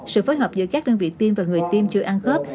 sự phối hợp giữa các đơn vị tiêm và người tiêm chưa ăn khớp